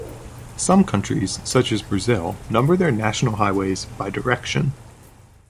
Some countries, such as Brazil, number their national highways by direction.